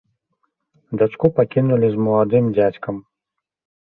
Дачку пакінулі з маладым дзядзькам.